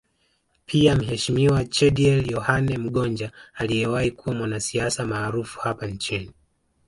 Pia Mheshimiwa Chediel Yohane Mgonja aliyewahi kuwa mwanasiasa maarufu hapa nchini